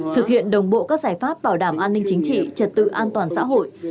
thực hiện đồng bộ các giải pháp bảo đảm an ninh chính trị trật tự an toàn xã hội